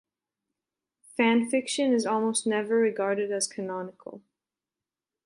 Fan fiction is almost never regarded as canonical.